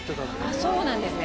あっそうなんですね。